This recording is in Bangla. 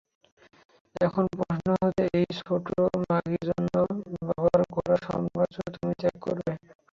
এখন প্রশ্ন হচ্ছে, এই ছোট্ট মাগীর জন্য বাবার গড়া সাম্রাজ্য তুমি ত্যাগ করবে?